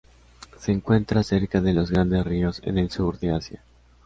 Se encuentra cerca de los grandes ríos en el sur de Asia.